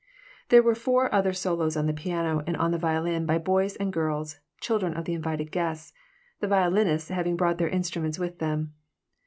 There were four other solos on the piano and on the violin by boys and girls, children of the invited guests, the violinists having brought their instruments with them.